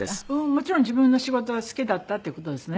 もちろん自分の仕事が好きだったっていう事ですね。